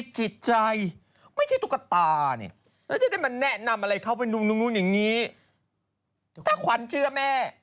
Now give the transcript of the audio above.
ถ้าขวัญเชื่อแม่